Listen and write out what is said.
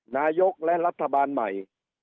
นายกและรัฐบาลใหม่